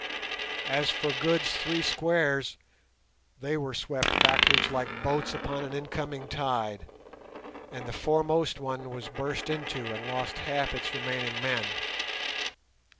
As for Good's three squares, they were swept backwards like boats upon an incoming tide, and the foremost one was burst into and lost half its remaining men.